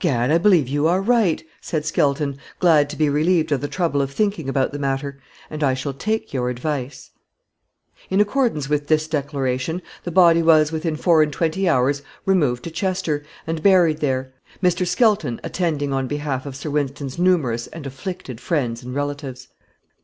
"Egad! I believe you are right," said Skelton, glad to be relieved of the trouble of thinking about the matter; "and I shall take your advice." In accordance with this declaration the body was, within four and twenty hours, removed to Chester, and buried there, Mr. Skelton attending on behalf of Sir Wynston's numerous and afflicted friends and relatives.